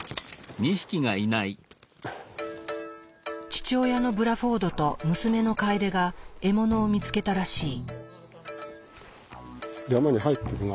父親のブラフォードと娘のカエデが獲物を見つけたらしい。